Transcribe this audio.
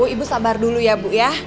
ibu sabar dulu ya bu ya